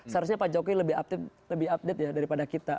seharusnya pak jokowi lebih update ya daripada kita